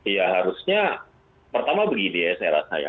ya harusnya pertama begini ya saya rasa ya